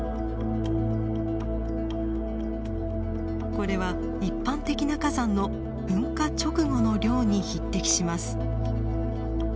これは一般的な火山の噴火直後の量に匹敵します。